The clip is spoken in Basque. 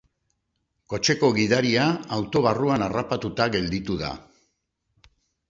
Kotxeko gidaria auto barruan harrapatuta gelditu da.